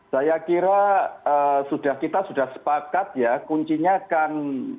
saya kira kita sudah sepakat ya kuncinya akan